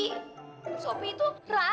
terus opi itu